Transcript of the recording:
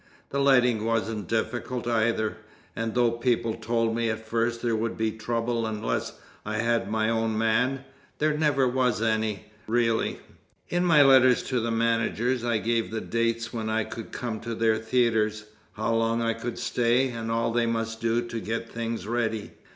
The lighting wasn't difficult either, and though people told me at first there would be trouble unless I had my own man, there never was any, really. In my letters to the managers I gave the dates when I could come to their theatres, how long I could stay, and all they must do to get things ready.